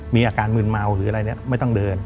มีอาการมืนเมาหรืออะไรเนี่ยไม่ต้องเดิน